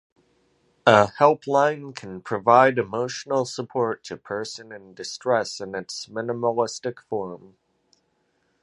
A helpline can provide emotional support to person in distress in its minimalistic form.